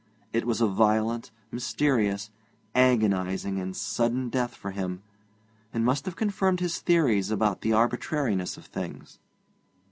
It was a violent, mysterious, agonizing, and sudden death for him, and must have confirmed his theories about the arbitrariness of things.